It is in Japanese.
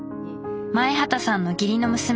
前畑さんの義理の娘